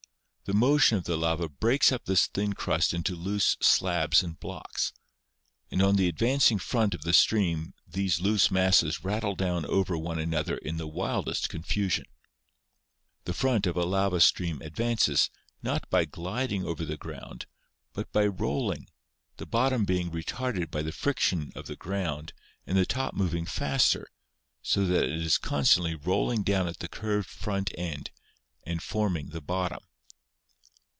The motion of the lava breaks up this thin crust into loose slabs and blocks, and on the advancing front of the stream these loose masses rattle down over one another in the wildest confusion. The front of a lava stream ad vances, not by gliding over the ground, but by rolling, the bottom being retarded by the friction of the ground and the top moving faster, so that it is continually rolling down at the curved front end and forming the bottom.